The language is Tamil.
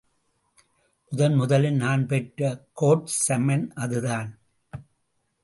முதன் முதலில் நான் பெற்ற கோர்ட் சம்மன் அதுதான்.